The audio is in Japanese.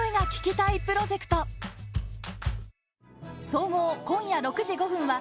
総合、今夜６時５分は。